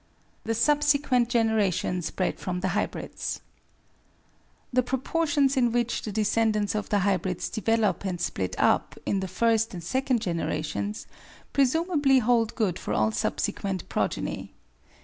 The Subsequent Generations [bred] from the Hybrids The proportions in which the descendants of the hybrids develop and split up in the first and second generations presumably hold good for all subsequent progeny.